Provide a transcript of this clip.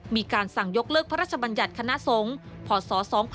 มีการสั่งยกเลิกพระราชบัญญัติคณะสงฆ์พศ๒๕๖